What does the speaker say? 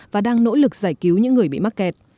và đang nỗ lực giải cứu những người bị mắc kẹt